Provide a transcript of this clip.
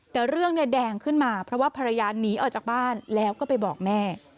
แต่เรื่องเนี่ยแดงขึ้นมาเพราะว่าภรรยาหนีออกจากบ้านแล้วก็ไปบอกแม่